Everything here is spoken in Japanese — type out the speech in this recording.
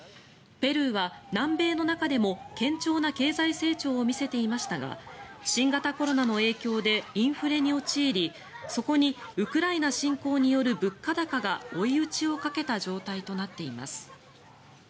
ペルーは南米の中でも堅調な経済成長を見せていましたが新型コロナの影響でインフレに陥りそこにウクライナ侵攻による物価高が追い打ちをかけた状態となっています。